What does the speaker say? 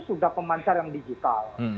sudah pemancar yang digital